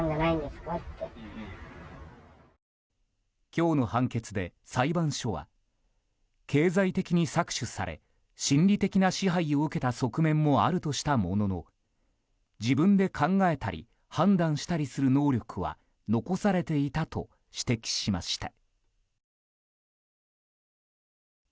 今日の判決で裁判所は経済的に搾取され心理的な支配を受けた側面もあるとしたものの自分で考えたり、判断したりする能力は残されていたと指摘しました。